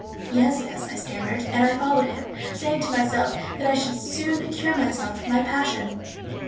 "Yes, yes," I stammered, and I followed him, saying to myself that I should soon cure myself of my passion.